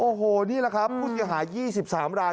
โอ้โหนี่แหละครับผู้เสียหายี่สิบสามราย